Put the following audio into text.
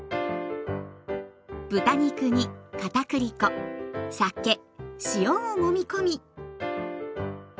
豚肉に片栗粉酒塩をもみ込み。